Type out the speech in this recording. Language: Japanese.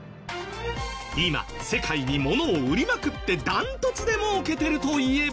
今世界に物を売りまくってダントツで儲けてるといえば。